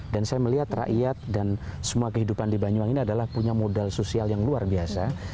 dan saya melihat rakyat dan semua kehidupan di banyuwangi ini adalah punya modal sosial yang luar biasa